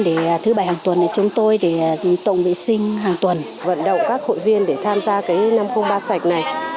chị em có thể tham gia các hội viên để tham gia năm trăm linh ba sạch này